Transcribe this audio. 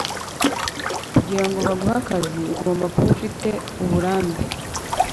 kugira ngo baguhe akazi ugomba kuba ufite uburambe